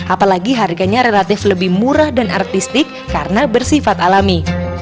apalagi harganya relatif lebih murah dan artistik karena bersifat alami